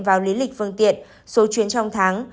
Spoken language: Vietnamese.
vào lý lịch phương tiện số chuyến trong tháng